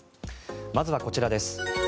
まずはこちらです。